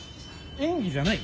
演技じゃないの？